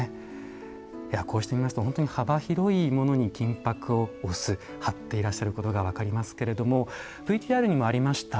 いやこうしてみますと本当に幅広いものに金箔を押す貼っていらっしゃることが分かりますけれどもＶＴＲにもありました